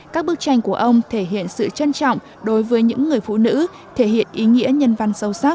các bức tranh của ông thể hiện sự trân trọng đối với những người phụ nữ thể hiện ý nghĩa nhân văn sâu sắc